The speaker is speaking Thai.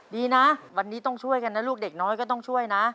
ดีนะวันนี้ต้องช่วยกันนะลูกเด็กน้อยก็ต้องช่วยนะ